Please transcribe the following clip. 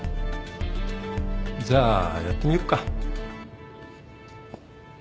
じゃあやってみよっか。